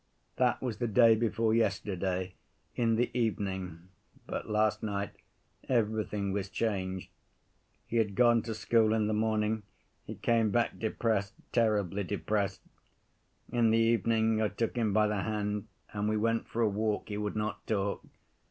"That was the day before yesterday, in the evening, but last night everything was changed. He had gone to school in the morning, he came back depressed, terribly depressed. In the evening I took him by the hand and we went for a walk; he would not talk.